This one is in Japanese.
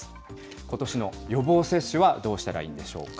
ことしの予防接種はどうしたらいいんでしょうか。